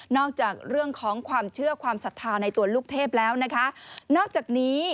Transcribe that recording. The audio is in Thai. จากเรื่องของความเชื่อความศรัทธาในตัวลูกเทพแล้วนะคะนอกจากนี้